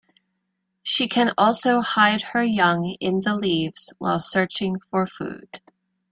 She can also hide her young in the leaves while searching for food.